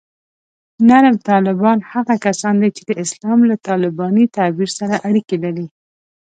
نرم طالبان هغه کسان دي چې د اسلام له طالباني تعبیر سره اړیکې لري